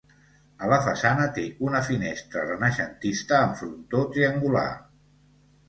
A la façana té una finestra renaixentista amb frontó triangular.